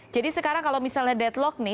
jadi sekarang kalau misalnya deadlock nih